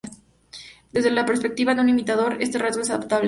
Desde la perspectiva de un imitador, este rasgo es adaptable.